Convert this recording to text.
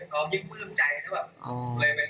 เราก็ยิ่งมือใจแล้วแบบ